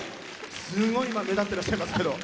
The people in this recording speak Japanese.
すごい目立っていらっしゃいますけど。